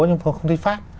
nhưng mà không thích phát